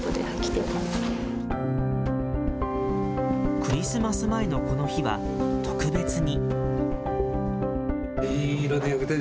クリスマス前のこの日は、特別に。